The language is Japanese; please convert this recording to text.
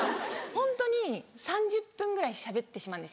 ホントに３０分ぐらいしゃべってしまうんですよ。